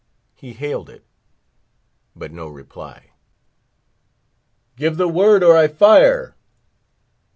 He hailed it; but no reply. "Give the word, or I fire!"